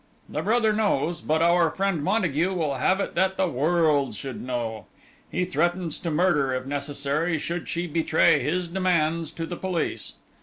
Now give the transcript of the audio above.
The brother knows, but our friend Montague will have it that the world should know. He threatens to murder, if necessary, should she betray his demands to the police.